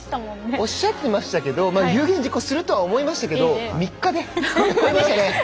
おっしゃってましたけど有言実行すると思いましたけど３日でしたね。